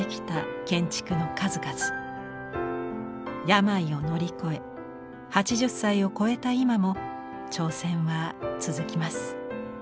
病を乗り越え８０歳を超えた今も挑戦は続きます。